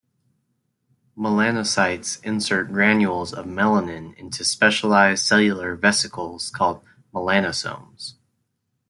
Melanocytes insert granules of melanin into specialized cellular vesicles called melanosomes.